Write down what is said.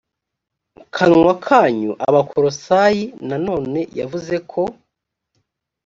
kanwa kanyu abakolosayi nanone yavuze ko